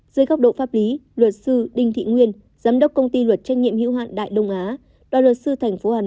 dưới góc độ pháp lý luật sư đinh thị nguyên giám đốc công ty luật trách nhiệm hữu hạn đại đông á đoàn luật sư tp hà nội